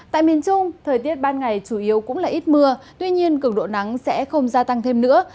tại miền trung thời tiết ban ngày chủ yếu cũng là ít mưa tuy nhiên cường độ nắng sẽ không gia tăng thêm nữa